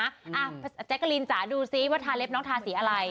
แจ๊กกะลินจ๋าดูซิว่าทาเล็บน้องทาสีอะไร